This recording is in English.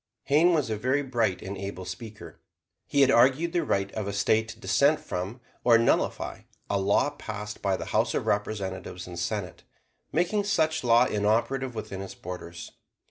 Hayne was a very bright and able speaker. He had argued the right of a State to dissent from, or nullify, a law passed by the House of Representatives and Senate, making such law inoperative within its borders.